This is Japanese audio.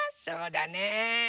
そうだね。